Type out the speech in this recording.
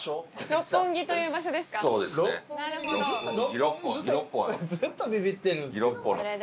六本木にずっとビビってるんすよ